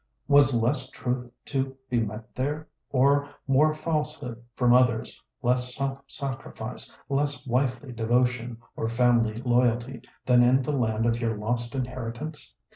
Was less truth to be met there, or more falsehood from others, less self sacrifice, less wifely devotion or family loyalty, than in the land of your lost inheritance